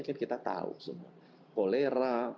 kan kita tahu semua kolera